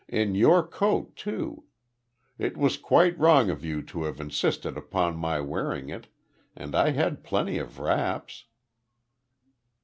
In your coat too. It was quite wrong of you to have insisted upon my wearing it, and I had plenty of wraps."